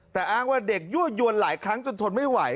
แต่อ้างว่าเด็กยั่วยวนหลายครั้งจนทนไม่ไหว